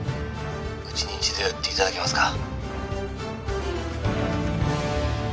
うちに一度寄っていただけますか